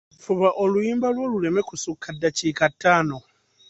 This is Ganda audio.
Fuba oluyimba lwo luleme kusukka ddakiika ttaano.